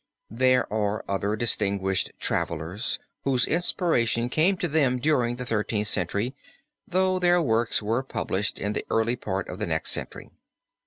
There are other distinguished travelers whose inspiration came to them during the Thirteenth Century though their works were published in the early part of the next century.